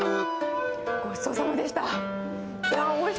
ごちそうさまでした。